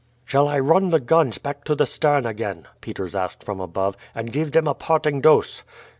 "Shall I run the guns back to the stern again," Peters asked from above, "and give them a parting dose?"